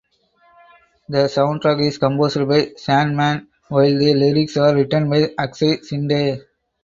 The soundtrack is composed by Sandmann while the lyrics are written by Akshay Shinde.